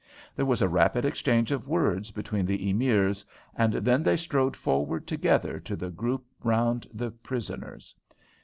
There was a rapid exchange of words between the Emirs, and then they strode forward together to the group around the prisoners.